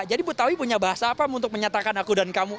jadi betawi punya bahasa apa untuk menyatakan aku dan kamu